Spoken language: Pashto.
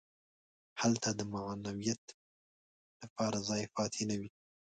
هلته د معنویت لپاره ځای پاتې نه وي.